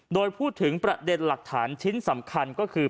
โดยพูดถึงประเด็นหลักฐานชิ้นสำคัญก็คือ